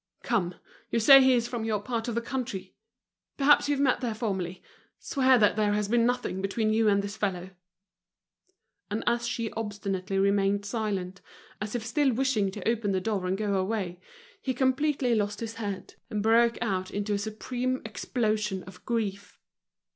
"Come, you say he is from your part of the country? Perhaps you've met there formerly. Swear that there has been nothing between you and this fellow." And as she obstinately remained silent, as if still wishing to open the door and go away, he completely lost his head, and broke out into a supreme explosion of grief.